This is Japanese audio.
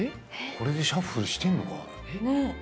これでシャッフルしてんのかな？